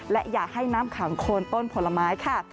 และอย่าให้น้ำขังโคนต้นผลไม้ค่ะ